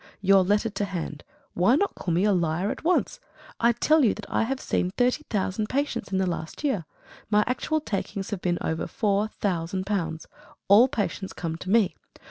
"Your letter to hand. Why not call me a liar at once? I tell you that I have seen thirty thousand patients in the last year. My actual takings have been over four thousand pounds. All patients come to me.